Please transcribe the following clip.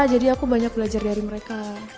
jadi aku banyak belajar dari mereka